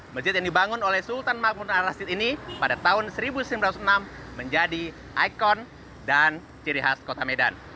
masjid yang dibangun oleh sultan makmur al rashid ini pada tahun seribu sembilan ratus enam menjadi ikon dan ciri khas kota medan